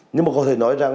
nhưng mà có thể nói rằng